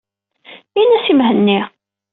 Ini-as i Mhenni.